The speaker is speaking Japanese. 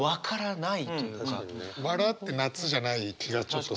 「ばら」って夏じゃない気がちょっと。